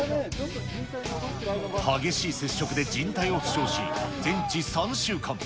激しい接触でじん帯を負傷し、全治３週間。